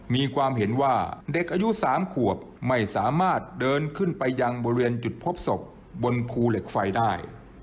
มีความเห็นว่าเด็กอายุ๓ขวบไม่สามารถเดินขึ้นไปยังบริเวณจุดพบศพบนภูเหล็กไฟได้